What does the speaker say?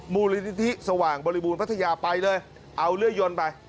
มูลนิธิสว่างบริบูรณพัทยาไปเลยเอาเลื่อยยนไป